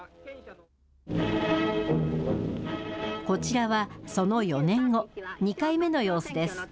こちらはその４年後、２回目の様子です。